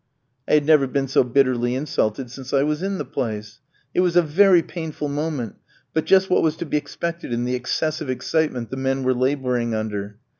I had never been so bitterly insulted since I was in the place. It was a very painful moment, but just what was to be expected in the excessive excitement the men were labouring under.